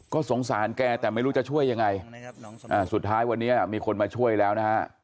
ก็สงสารแกแต่ไม่รู้จะช่วยยังไงสุดท้ายวันนี้มีคนมาช่วยแล้วนะฮะ